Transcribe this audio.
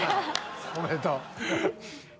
おめでとう。